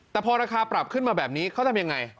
แต่พอราคาปรับขึ้นมาแบบนี้เขาทำยังไง